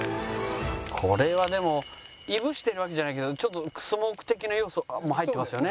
これはでも燻してるわけじゃないけどちょっとスモーク的な要素も入ってますよね。